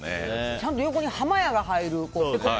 ちゃんと横に破魔矢が入る。